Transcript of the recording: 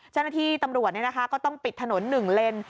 เจ้าหน้าที่ตำรวจก็ต้องปิดถนน๑เลน